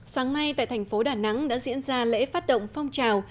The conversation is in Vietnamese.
sáng nay tại thành phố đà nẵng đã diễn ra lễ phát động phong trào